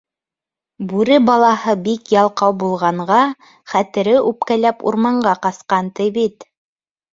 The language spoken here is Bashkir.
Бүре балаһы бик ялҡау булғанға Хәтере, үпкәләп, урманға ҡасҡан, ти, бит!